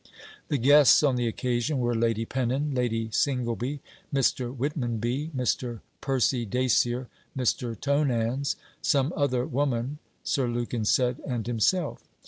The guests on the occasion were Lady Pennon. Lady Singleby, Mr. Whitmonby, Mr. Percy Dacier, Mr. Tonans; 'Some other woman,' Sir Lukin said, and himself.